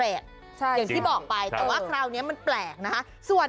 เออใช่ถ้าซ้อน๓